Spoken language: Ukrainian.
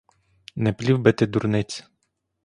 Не плів би ти дурниць!